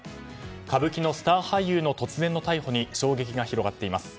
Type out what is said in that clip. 歌舞伎のスター俳優の突然の逮捕に衝撃が広がっています。